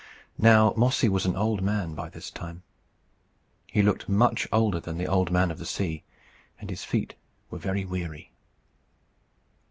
Now Mossy was an old man by this time. He looked much older than the Old Man of the Sea, and his feet were very weary.